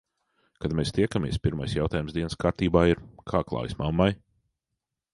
Kad mēs tiekamies, pirmais jautājums dienas kārtībā ir - kā klājas mammai?